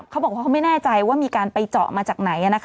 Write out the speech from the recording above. เขาบอกว่าเขาไม่แน่ใจว่ามีการไปเจาะมาจากไหน